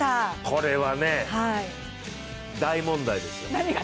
これはね、大問題ですよ。